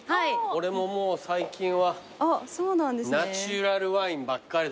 俺ももう最近はナチュラルワインばっかり。